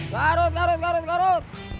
garut garut garut garut